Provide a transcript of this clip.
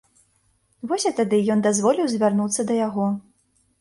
Вось і тады ён дазволіў звярнуцца да яго.